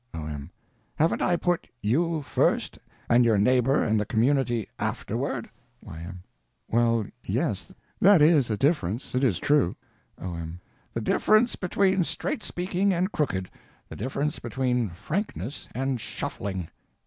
O.M. Haven't I put _you first, _and your neighbor and the community afterward? Y.M. Well, yes, that is a difference, it is true. O.M. The difference between straight speaking and crooked; the difference between frankness and shuffling.